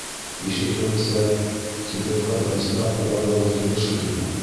— Ишетеүемсә, Тибетҡа беренсе тапҡыр барыуығыҙ түгел шикелле?